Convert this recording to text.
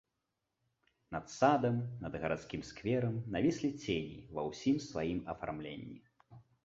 Над садам, над гарадскім скверам навіслі цені ва ўсім сваім афармленні.